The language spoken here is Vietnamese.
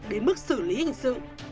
đến mức xử lý hình sự